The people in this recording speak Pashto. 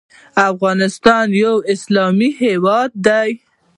افغانستان یو اسلامي هیواد دی